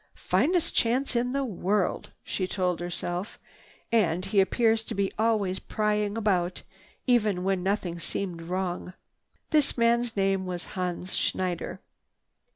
"Finest chance in the world," she told herself. "And he appears to be always prying about, even when nothing seems wrong." This man's name was Hans Schneider.